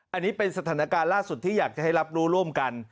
อันนี้เป็นสถานการณ์ล่าสุดที่อยากจะให้รับรู้ร่วมกัน